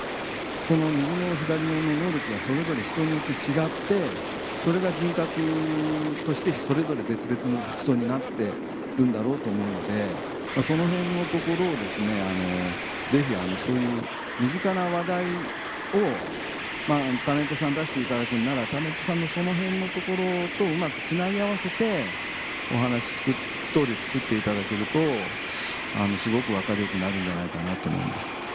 右脳左脳の能力がそれぞれ人によって違ってそれが人格としてそれぞれ別々の人になってるんだろうと思うのでその辺のところをぜひそういう身近な話題をタレントさん出していただくんならタレントさんのその辺のところとうまくつなぎ合わせてストーリー作っていただけるとすごく分かりよくなるんじゃないかなと思います。